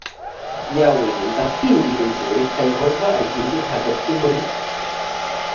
yawe ndakwinginze reka yehova agendere hagati muri